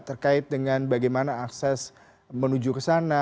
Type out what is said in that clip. terkait dengan bagaimana akses menuju ke sana